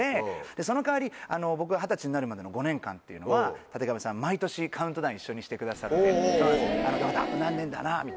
その代わり僕が二十歳になるまでの５年間っていうのはたてかべさん毎年カウントダウン一緒にしてくださって「あと何年だな」みたいな。